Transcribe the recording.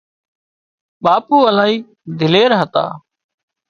ٻاپو الاهي دلير هتا